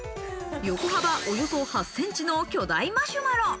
横幅およそ８ｃｍの巨大マシュマロ。